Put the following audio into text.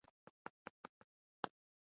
سهار وختي پاڅیږئ.